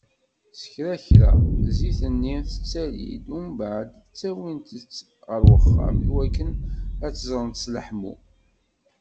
S kra kra, zzit-nni tettali-d umbeεed ttawint-tt γer uxxam i wakken ad tt-zzrent s leḥmu.